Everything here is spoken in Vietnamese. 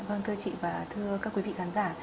vâng thưa chị và thưa các quý vị khán giả